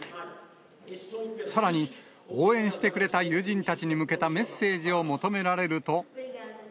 さらに、応援してくれた友人たちに向けたメッセージを求められると。